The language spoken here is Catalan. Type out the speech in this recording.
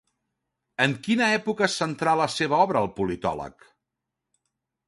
En quina època centrà la seva obra el politòleg?